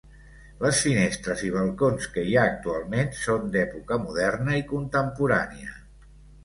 Les finestres i balcons que hi ha actualment són d'època moderna i contemporània.